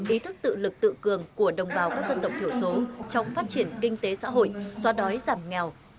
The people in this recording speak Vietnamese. ý thức tự lực tự cường của đồng bào các dân tộc thiểu số trong phát triển kinh tế xã hội xóa đói giảm nghèo